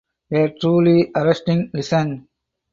A truly arresting listen.